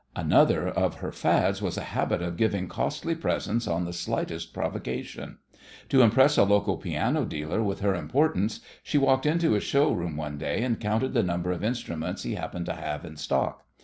Another of her fads was a habit of giving costly presents on the slightest provocation. To impress a local piano dealer with her importance she walked into his showroom one day and counted the number of instruments he happened to have in stock.